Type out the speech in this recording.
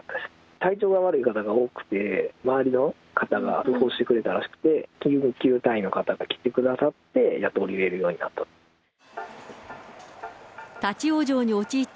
体調が悪い方が多くて、周りの方が通報してくれたらしくて、救急隊員の方が来てくださって、やっと降りれるようになった。